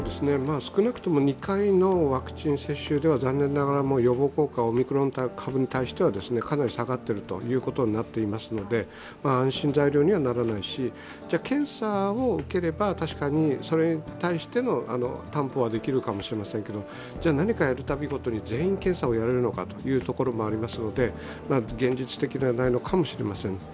少なくとも２回のワクチン接種では残念ながら予防効果、オミクロン株に対してはかなり下がっているということになっているので安心材料にはならないし検査を受ければ確かにそれに対しての担保はできるかもしれませんが、何かやるたびに全員検査をやれるのかというところもありますので現実的ではないかもしれません。